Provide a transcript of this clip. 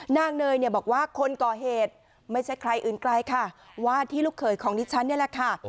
เนยเนี่ยบอกว่าคนก่อเหตุไม่ใช่ใครอื่นไกลค่ะว่าที่ลูกเขยของดิฉันนี่แหละค่ะ